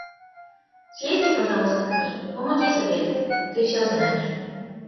Съезди, пожалуйста, к ней, помоги советом, ты всё знаешь.